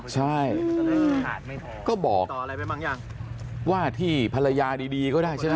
ใช่เขาบอกว่าที่ภรรยาดีก็ได้ใช่มั้ย